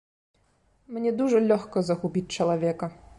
Мне дужа лёгка загубіць чалавека.